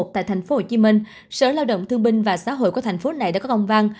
tại thành phố hồ chí minh sở lao động thương binh và xã hội của thành phố này đã có công văn